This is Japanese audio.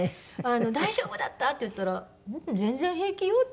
「大丈夫だった？」って言ったら「うん全然平気よ」って。